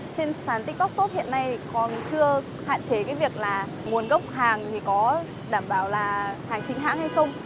trên sàn tiktok shop hiện nay còn chưa hạn chế cái việc là nguồn gốc hàng thì có đảm bảo là hàng chính hãng hay không